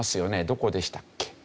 どこでしたっけ？